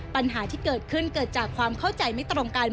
ปัญหาที่เกิดขึ้นเกิดจากความเข้าใจไม่ตรงกัน